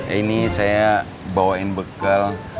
ini saya bawain bekal